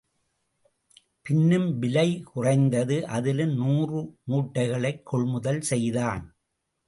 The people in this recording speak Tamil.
பின்னும் விலை குறைந்தது அதிலும் நூறு மூட்டைகளைக் கொள்முதல் செய்தான்.